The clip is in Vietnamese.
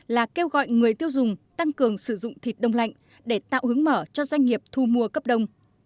là kêu gọi người tiêu dùng tăng cường sử dụng thịt đông lạnh để tạo hướng mở cho doanh nghiệp thu mua cấp đông